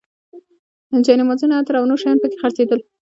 جاینمازونه، عطر او نور شیان په کې خرڅېدل.